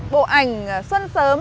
bộ ảnh xuân sớm